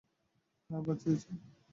আঃ, বাঁচিয়েছেন!